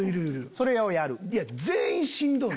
それをやる。